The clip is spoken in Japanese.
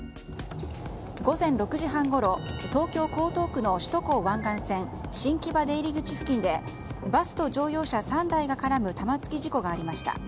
午前６時半ごろ東京・江東区の首都高湾岸線新木場出入り口付近でバスと乗用車３台が絡む玉突き事故がありました。